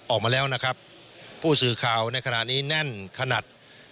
ออกมาแล้วนะครับผู้สื่อข่าวในขณะนี้แน่นขนาด